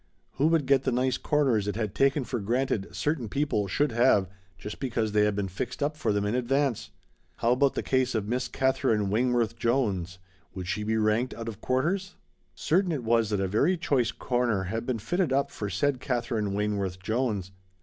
Who would get the nice corners it had been taken for granted certain people should have just because they had been fixed up for them in advance? How about the case of Miss Katherine Wayneworth Jones? Would she be ranked out of quarters? Certain it was that a very choice corner had been fitted up for said Katherine Wayneworth Jones.